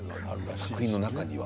作品の中には。